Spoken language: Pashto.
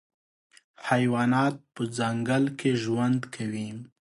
حیوانات په ځنګل کي ژوند کوي.